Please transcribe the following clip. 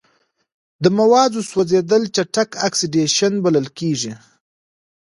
د موادو سوځیدل چټک اکسیدیشن بلل کیږي.